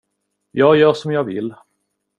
Jag gör som jag vill.